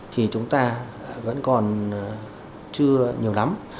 thì chúng ta vẫn còn chưa nhiều lắm